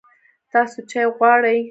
تاسو چای غواړئ؟